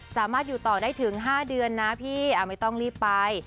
สามารถอยู่ต่อได้ถึง๕เดือนนะพี่ไม่ต้องรีบไป